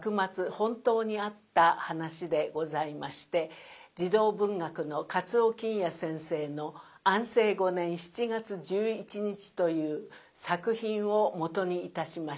本当にあった話でございまして児童文学のかつおきんや先生の「安政五年七月十一日」という作品を基にいたしました。